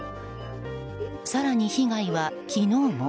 更に被害は昨日も。